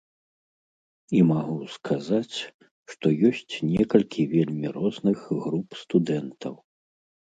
І магу сказаць, што ёсць некалькі вельмі розных груп студэнтаў.